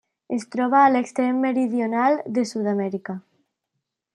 Es troba a l'extrem meridional de Sud-amèrica: